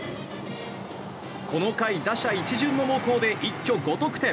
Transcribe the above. この回、打者一巡の猛攻で一挙５得点。